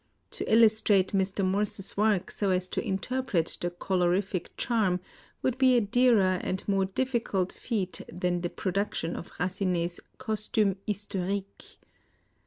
To illus trate Mr. Morse's work so as to interpret the colorific charm would be a dearer and a more difficult feat than the production of Racinet's " Costumes Historique."